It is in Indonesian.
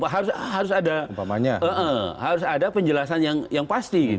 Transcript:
harus ada penjelasan yang pasti